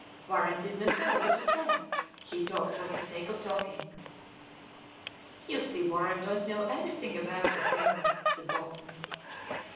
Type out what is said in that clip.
Warren did not know what to say: he talked for the sake of talking. "You see Warren don't know anything about it, Garry," said Bolton.